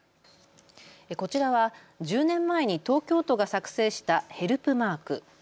こちらは１０年前に東京都が作成したヘルプマーク。